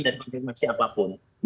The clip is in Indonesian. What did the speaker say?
dan konfirmasi apapun